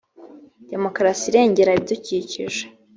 demokarasi irengera ibidukikije .